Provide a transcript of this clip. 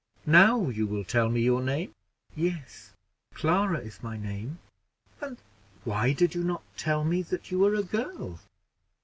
Now you will tell me your name?" "Yes; Clara is my name." "And why did you not tell me that you were a girl?"